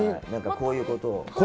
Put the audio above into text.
なんかこういうことを。